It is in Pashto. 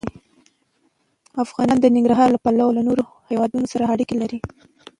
افغانستان د ننګرهار له پلوه له نورو هېوادونو سره اړیکې لري.